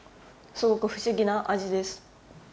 すごく不思議な味です。